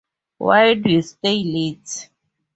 Why'd you stay late?